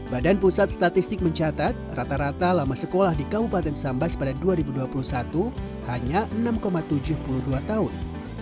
badan pusat statistik mencatat rata rata lama sekolah di kabupaten sambas pada dua ribu dua puluh satu hanya enam tujuh puluh dua tahun